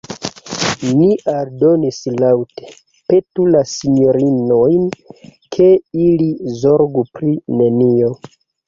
Li aldonis laŭte: "Petu la sinjorinojn, ke ili zorgu pri nenio."